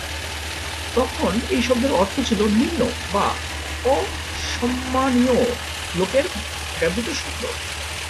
তখন এই শব্দের অর্থ ছিল "নিম্ন" বা "অসম্মানীয়" লোকের ব্যবহৃত শব্দ।